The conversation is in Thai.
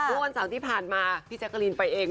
ทุกวันสัปดาห์ที่ผ่านมาพี่แจ๊กกะลินไปเอง